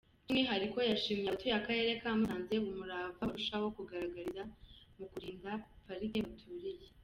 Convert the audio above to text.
By’umwihariko yashimiye abatuye Akarere ka Musanze umurava barushaho kugaragaza mu kurinda parike baturiye.